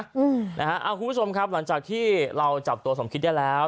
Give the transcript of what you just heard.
คุณผู้ชมครับหลังจากที่เราจับตัวสมคิดได้แล้ว